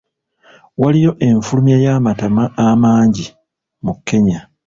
Waliyo enfulumya y'amata amangi mu Kenya